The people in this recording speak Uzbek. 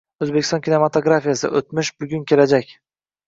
O‘zbekiston kinematografiyasi: o‘tmish, bugun, kelajak